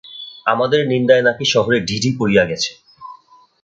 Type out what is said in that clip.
আমাদের নিন্দায় নাকি শহরে ঢিঢি পড়িয়া গেছে।